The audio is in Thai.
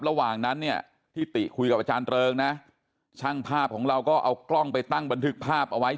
ระหว่างนั้นเนี่ยที่ติคุยกับอาจารย์เริงนะช่างภาพของเราก็เอากล้องไปตั้งบันทึกภาพเอาไว้